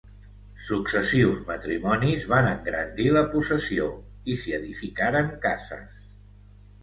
Successius matrimonis van engrandir la possessió i s'hi edificaren cases.